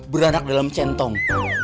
beranak dalam centong